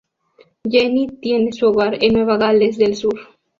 Jennie tiene su hogar en Nueva Gales del Sur..